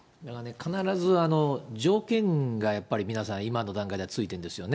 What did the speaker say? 必ず、条件がやはり皆さん、今の段階では付いてるんですよね。